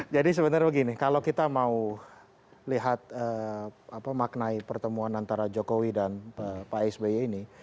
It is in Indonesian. jadi sebenarnya begini kalau kita mau lihat maknai pertemuan antara jokowi dan pak sby ini